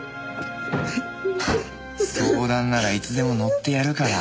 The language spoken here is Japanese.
相談ならいつでも乗ってやるから。